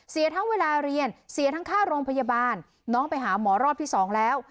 เสียทั้งเวลาเรียนเสียทั้งค่าโรงพยาบาลน้องไปหาหมอรอบที่สองแล้ว